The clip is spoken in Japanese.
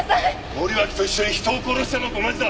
森脇と一緒に人を殺したのと同じだ。